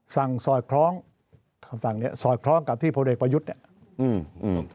สอดคล้องคำสั่งเนี้ยสอดคล้องกับที่พลเอกประยุทธ์เนี้ยอืมอืม